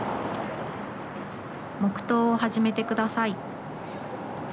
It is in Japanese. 黙とうを始めてください。